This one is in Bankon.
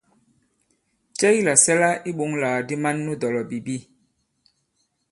Cɛ ki làsɛla iɓoŋlàgàdi man nu dɔ̀lɔ̀bìbi ?